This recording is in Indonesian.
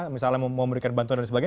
misalnya memberikan bantuan dan sebagainya